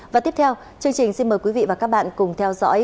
và tiếp theo chương trình xin mời quý vị và các bạn cùng theo dõi